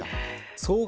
総額